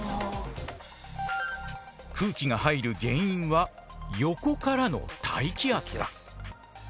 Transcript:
空気が入る原因は横からの大気圧だ。